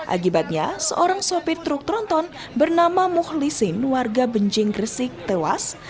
akibatnya seorang sopir truk tronton bernama mukhlisin warga benjing gresik tewas